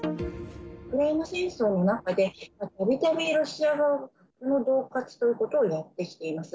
ウクライナ戦争の中で、たびたびロシア側は核のどう喝ということをやってきています。